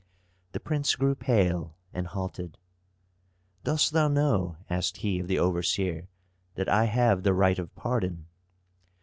The prince grew pale, and halted. "Dost thou know," asked he of the overseer, "that I have the right of pardon?"